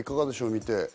見て。